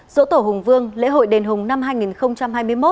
dỗ tổ hùng vương lễ hội đền hùng năm hai nghìn hai mươi một